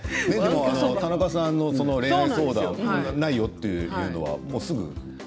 田中さんの恋愛相談ないよということは。